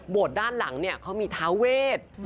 โบดด้านหลังเขามีทาเวท